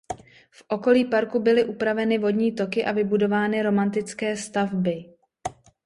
V okolí parku byly upraveny vodní toky a vybudovány romantické stavby.